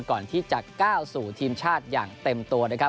ก่อนที่จะก้าวสู่ทีมชาติอย่างเต็มตัวนะครับ